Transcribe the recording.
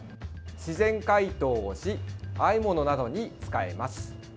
自然解凍をしあえ物などに使えます。